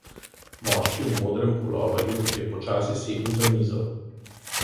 Moški v modrem puloverju je počasi sedel za mizo.